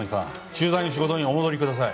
駐在の仕事にお戻りください。